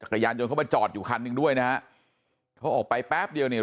ยานยนเข้ามาจอดอยู่คันหนึ่งด้วยนะฮะเขาออกไปแป๊บเดียวเนี่ย